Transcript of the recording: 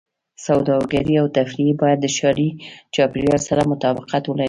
سوداګرۍ او تفریح باید د ښاري چاپېریال سره مطابقت ولري.